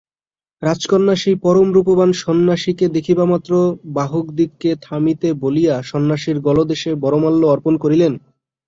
রাজকন্যা সেই পরমরূপবান সন্ন্যাসীকে দেখিবামাত্র বাহকদিগকে থামিতে বলিয়া সন্ন্যাসীর গলদেশে বরমাল্য অর্পণ করিলেন।